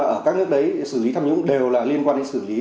ở các nước đấy xử lý tham nhũng đều là liên quan đến xử lý